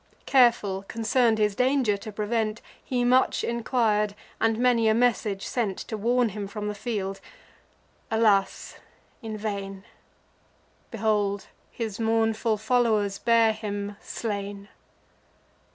Careful, concern'd his danger to prevent, He much enquir'd, and many a message sent To warn him from the field—alas! in vain! Behold, his mournful followers bear him slain!